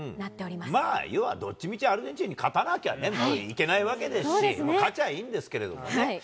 まあ、要はどっちみちアルゼンチンにね、勝たなきゃ、もういけないわけですし、勝ちゃいいんですけどね。